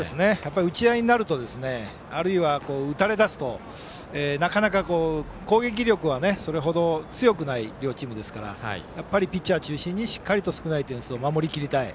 打ち合いになるあるいは打たれ出すとなかなか、攻撃力はそれほど強くない両チームですからやっぱりピッチャー中心にしっかりと少ない点数を守り切りたい。